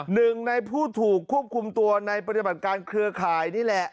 หนึ่งในผู้ถูกควบคุมตัวในปฏิบัติการเครือข่ายนี่แหละ